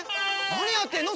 なにやってんの？